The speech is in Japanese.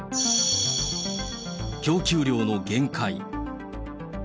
供給量の限界。